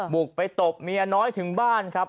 บุกไปตบเมียน้อยถึงบ้านครับ